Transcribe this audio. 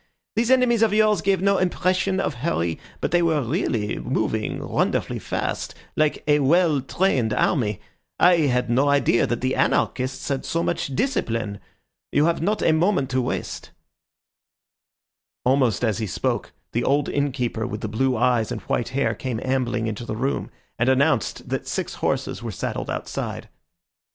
Those enemies of yours gave no impression of hurry, but they were really moving wonderfully fast, like a well trained army. I had no idea that the anarchists had so much discipline. You have not a moment to waste." Almost as he spoke, the old innkeeper with the blue eyes and white hair came ambling into the room, and announced that six horses were saddled outside.